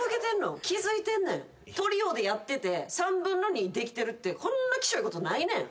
トリオでやってて３分の２できてるってこんなキショいことないねん。